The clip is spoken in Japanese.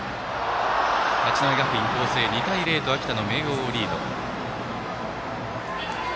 八戸学院光星２対０と秋田・明桜をリード。